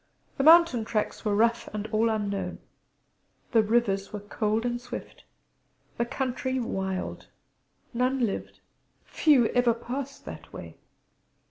The mountain tracks were rough and all unknown; the rivers many, cold and swift: the country wild; none lived, few ever passed, that way.